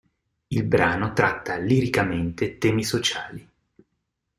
Il brano tratta, liricamente, temi sociali.